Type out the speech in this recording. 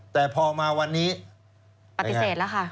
แต่พอมาวันนี้ปฏิเสธแล้วค่ะ